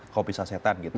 kopi sasetan gitu